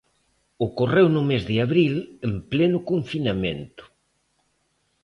Ocorreu no mes de abril en pleno confinamento.